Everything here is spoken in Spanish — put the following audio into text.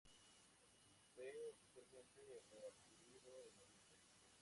Fue oficialmente re-adquirido en noviembre.